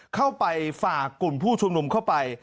เข้าไปฝากกลุ่มผู้ชุมนุมเข้าไป